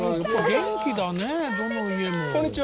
元気だねどの家も。